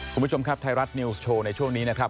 คุณผู้ชมครับไทยรัฐนิวส์โชว์ในช่วงนี้นะครับ